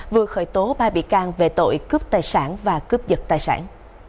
vừa khởi tố ba bị can về tội cướp tài sản và cướp dật tài sản